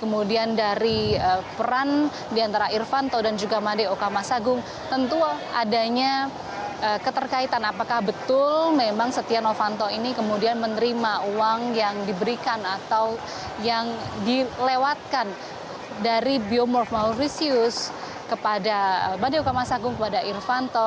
kemudian dari peran diantara irvanto dan juga made oka masagung tentu adanya keterkaitan apakah betul memang setiano vanto ini kemudian menerima uang yang diberikan atau yang dilewatkan dari biomorph malvisius kepada made oka masagung kepada irvanto